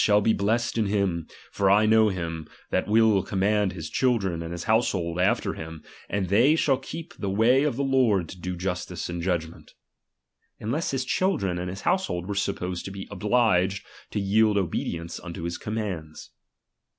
: shall be blessed in him ; for I know him, that he tvill command his children and his household after him, and they shall keep the way of the Lord to do justice and judgment : unless his children and his household were supposed to be obliged to yield obedience unto his commands